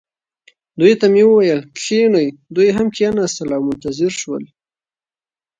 دوی ته مې وویل: کښینئ. دوی هم کښېنستل او منتظر شول.